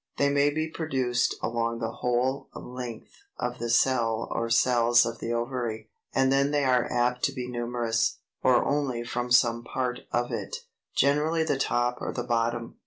They may be produced along the whole length of the cell or cells of the ovary, and then they are apt to be numerous, or only from some part of it, generally the top or the bottom.